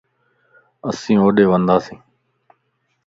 اسين ھوڏي ونداسين